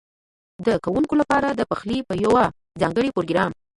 ده کوونکو لپاره د پخلي په یوه ځانګړي پروګرام